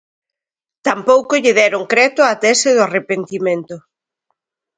Tampouco lle deron creto á tese do arrepentimento...